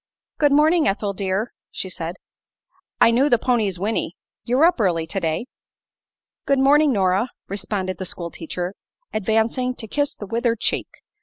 "Good morning, Ethel, dear," she said. "I knew the pony's whinney. You're up early today." "Good morning, Nora," responded the schoolteacher, advancing to kiss the withered cheek.